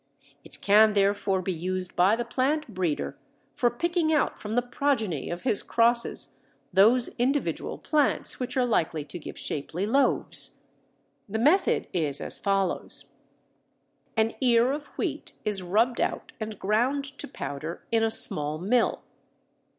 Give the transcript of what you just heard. It can therefore be used by the plant breeder for picking out from the progeny of his crosses those individual plants which are likely to give shapely loaves. The method is as follows: An ear of wheat is rubbed out and ground to powder in a small mill.